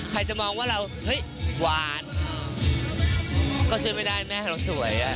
ใครจะมองว่าเราเฮ้ยหวานก็ช่วยไม่ได้แม่เราสวย